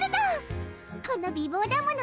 この美ぼうだもの。